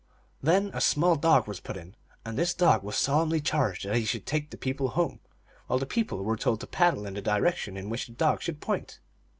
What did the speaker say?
Then a small dog was put in, and this dog was solemnly charged that he should take the people home, while the people were told to paddle in the direction in which the dog should point.